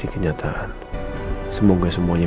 kita periksa dulu ya